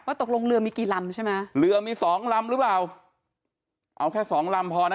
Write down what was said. ตกลงเรือมีกี่ลำใช่ไหมเรือมีสองลำหรือเปล่าเอาแค่สองลำพอนะ